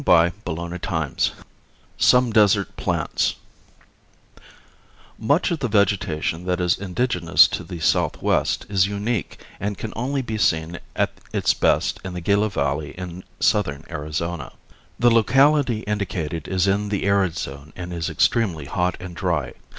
CHAPTER VIII SOME DESERT PLANTS Much of the vegetation that is indigenous to the southwest is unique and can only be seen at its best in the Gila valley in southern Arizona. The locality indicated is in the arid zone and is extremely hot and dry.